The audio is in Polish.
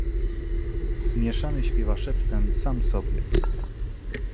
"Zmieszany śpiewa szeptem sam sobie."